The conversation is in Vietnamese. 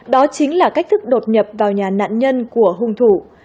đó chính là cách thức đột nhập vào nhà nạn nhân của hung thủ